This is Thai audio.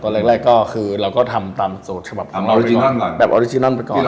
ตอนแรกก็คือเราก็ทำตามโจทย์กาคีออกออริจินันต์เปอร์ก่อน